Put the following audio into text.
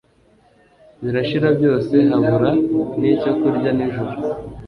birashira byose habura nicyo kurya nijoro